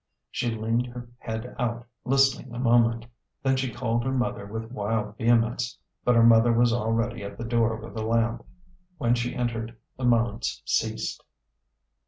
She leaned her head out, listening a moment. Then she called her mother with wild vehemence. But her mother was already at the door with a lamp. When she entered, the moans ceased.